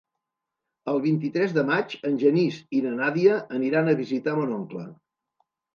El vint-i-tres de maig en Genís i na Nàdia aniran a visitar mon oncle.